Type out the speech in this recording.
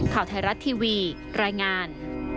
ข่าวไทยรัฐทีวีรายงาน